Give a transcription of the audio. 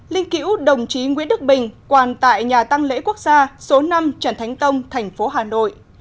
linh cữu đồng chí nguyễn đức bình quàn tại nhà tăng lễ quốc gia số năm trần thánh tông thành phố hà nội